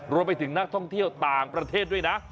รวมไปถึงนักท่องเที่ยวต่างประเทศด้วยนะ